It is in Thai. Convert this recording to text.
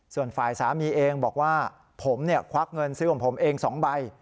ส่วนฝ่ายสามีเองบอกว่าผมควักเงินซื้อของผมเอง๒ใบ